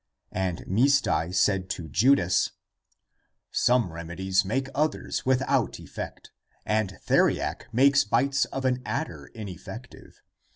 Said Misdai to Judas, " Some remedies make others without effect, and theriac makes bites of an adder ineffective.